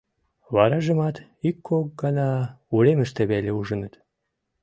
Варажымат ик-кок гана уремыште веле ужыныт.